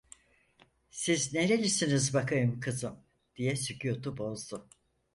"Siz nerelisiniz bakayım, kızım?" diye sükûtu bozdu.